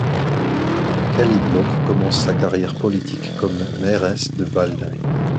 Kelly Blok commence sa carrière politique comme mairesse de Waldheim.